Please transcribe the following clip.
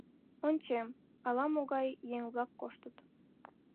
Ончем, ала-могай еҥ-влак коштыт.